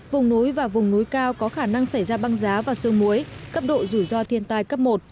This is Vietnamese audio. vùng núi và vùng núi cao có khả năng xảy ra băng giá và sương muối cấp độ rủi ro thiên tai cấp một